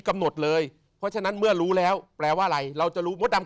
กำหนดเลยเพราะฉะนั้นเมื่อรู้แล้วแปลว่าอะไรเราจะรู้มดดำ